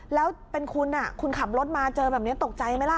แล้วเป็นคุณคุณขับรถมาเจอแบบนี้ตกใจไหมล่ะ